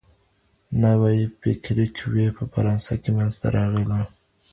نوي فکري قوې په فرانسه کي منځته راغلې.